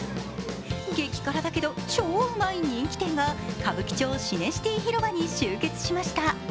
激辛だけど超うまい人気店が歌舞伎町シネシティ広場に集結しました。